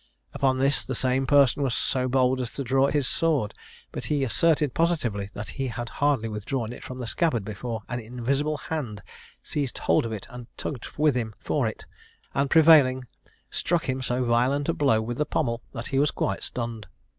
Upon this, the same person was so bold as to draw his sword; but he asserted positively that he had hardly withdrawn it from the scabbard before an invisible hand seized hold of it and tugged with him for it, and prevailing, struck him so violent a blow with the pommel that he was quite stunned.